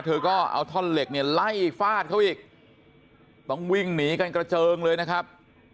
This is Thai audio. เธอก็เอาท่อนเหล็กเนี่ยไล่ฟาดเขาอีกต้องวิ่งหนีกันกระเจิงเลยนะครับ